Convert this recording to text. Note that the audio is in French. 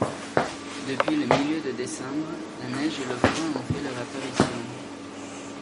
Depuis le milieu de décembre, la neige et le froid ont fait leur apparition.